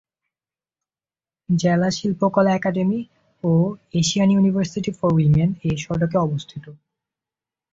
জেলা শিল্পকলা একাডেমি ও এশিয়ান ইউনিভার্সিটি ফর উইমেন এ সড়কে অবস্থিত।